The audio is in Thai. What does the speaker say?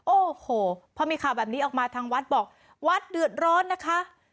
โอ้โหพอมีข่าวแบบนี้ออกมาทางวัดบอกวัดเดือดร้อนนะคะ